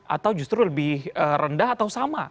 atau justru lebih rendah atau sama